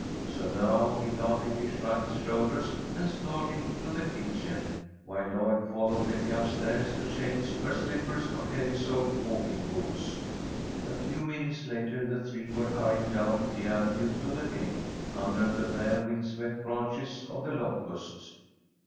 So now he laughingly shrugged his shoulders and started to the kitchen, while Lloyd followed Betty up stairs to change her slippers for heavy soled walking boots. A few minutes later the three were hurrying down the avenue to the gate, under the bare windswept branches of the locusts.